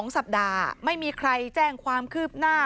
๒สัปดาห์ไม่มีใครแจ้งความคืบหน้า